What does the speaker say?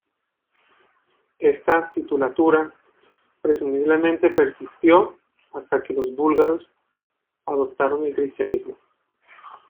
Esta titulatura presumiblemente persistió hasta que los búlgaros adoptaron el cristianismo.